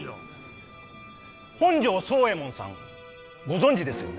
本城惣右衛門さんご存じですよね？